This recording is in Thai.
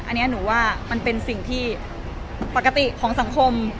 อันนี้หนูว่ามันเป็นสิ่งที่ปกติของสังคม